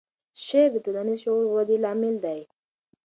شعر د ټولنیز شعور ودې لامل دی.